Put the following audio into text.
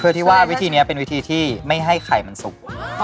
เพื่อที่ว่าวิธีนี้เป็นวิธีที่ไม่ให้ไข่มันสุก